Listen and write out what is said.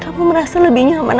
kamu merasa lebih nyaman